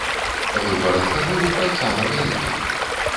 Выбар алкаголю таксама вялікі.